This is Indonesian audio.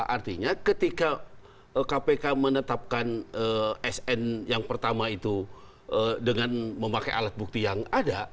artinya ketika kpk menetapkan sn yang pertama itu dengan memakai alat bukti yang ada